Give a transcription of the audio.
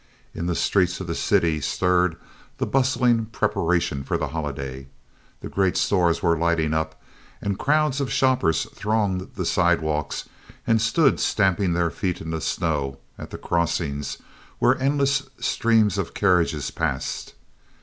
In the streets of the city stirred the bustling preparation for the holiday. The great stores were lighting up, and crowds of shoppers thronged the sidewalks and stood stamping their feet in the snow at the crossings where endless streams of carriages passed.